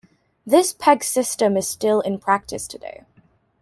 This peg system is still in practice today.